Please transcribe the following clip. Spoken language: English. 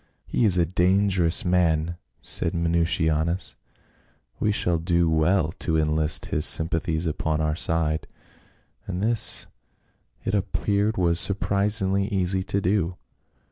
"He is a dangerous man," said Minucianus ; "we shall do well to enlist his sympathies upon our side." And this it appeared was surprisingly easy to do.